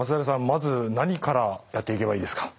まず何からやっていけばいいですか？